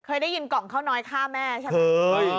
เคยได้ยินกล่องข้าวน้อยฆ่าแม่ใช่ไหม